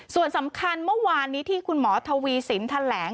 ส่วนสำคัญเมื่อวานนี้ที่คุณหมอทวีสินแถลง